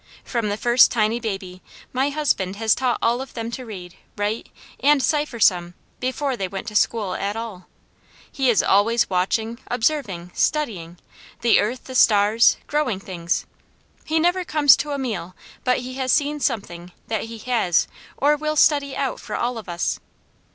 From the first tiny baby my husband has taught all of them to read, write and cipher some, before they went to school at all. He is always watching, observing, studying: the earth, the stars, growing things; he never comes to a meal but he has seen something that he has or will study out for all of us.